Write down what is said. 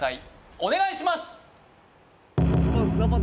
お願いします